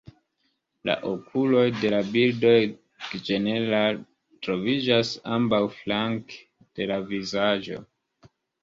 La okuloj de la birdoj ĝenerale troviĝas ambaŭflanke de la vizaĝo.